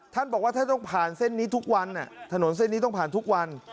ท่านบอกว่าถ้าต้องผ่านเส้นนี้ทุกวันถนนเส้นนี้ต้องผ่านทุกวัน